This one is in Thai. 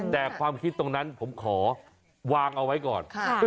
แต่ความคิดตรงนั้นผมขอวางเอาไว้ก่อน